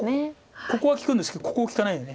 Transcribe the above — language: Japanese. ここは利くんですけどここ利かないんで。